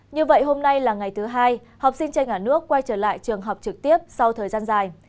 như vậy hôm nay là ngày thứ hai học sinh trên cả nước quay trở lại trường học trực tiếp sau thời gian dài